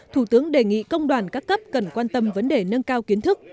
thủ tướng đề nghị công đoàn các cấp cần quan tâm vấn đề nâng cao kiến thức